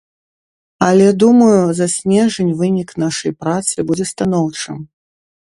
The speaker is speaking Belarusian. Але, думаю, за снежань вынік нашай працы будзе станоўчым.